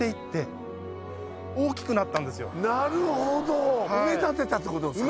なるほど！